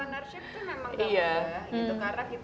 entrepreneurship tuh memang gak mudah gitu